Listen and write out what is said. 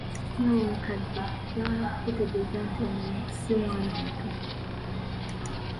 Nyabo mukadde, njagala okukutegeeza nti ono ssi mwana muto.